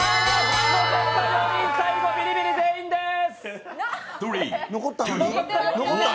残った全員、最後ビリビリです！